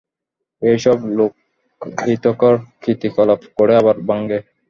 এইসব লোকহিতকর কীর্তিকলাপ গড়ে আবার ভাঙে।